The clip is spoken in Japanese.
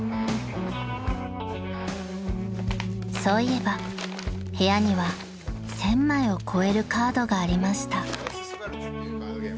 ［そういえば部屋には１，０００枚を超えるカードがありました］